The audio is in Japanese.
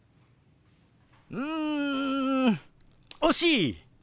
うん惜しい！